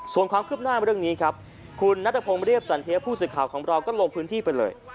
ส่วนความคืบหน้าเรื่องนี้ครับคุณนัทพงศ์เรียบสันเทียผู้สื่อข่าวของเราก็ลงพื้นที่ไปเลย